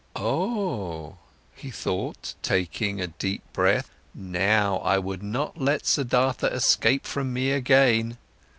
"Oh," he thought, taking a deep breath, "now I would not let Siddhartha escape from me again!